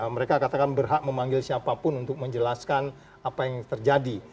mereka katakan berhak memanggil siapapun untuk menjelaskan apa yang terjadi